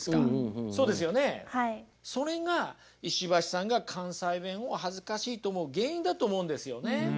それが石橋さんが関西弁を恥ずかしいと思う原因だと思うんですよね。